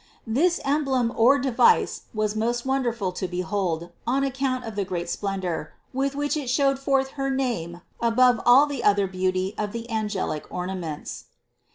365. This emblem or device was most wonderful to be hold, on account of the great splendor, with which it showed forth her name above all the other beauty of the angelic ornaments.